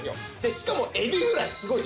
しかもエビフライすごいです。